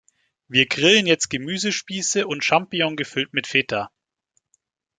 Wir grillen jetzt Gemüsespieße und Champignon gefüllt mit Feta.